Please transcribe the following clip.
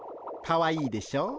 かわいいでしょう？